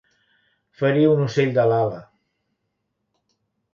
Ferir un ocell de l'ala.